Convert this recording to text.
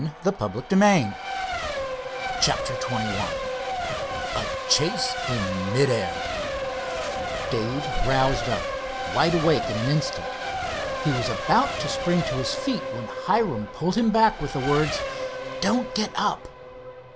We've been discovered!" CHAPTER XXI A CHASE IN MID AIR Dave roused up, wide awake in an instant. He was about to spring to his feet, when Hiram pulled him back with the words: "Don't get up."